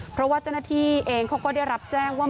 เพราะว่าเจ้าหน้าที่เองเขาก็ได้รับแจ้งว่า